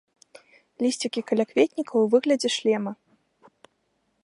Лісцікі калякветніка ў выглядзе шлема.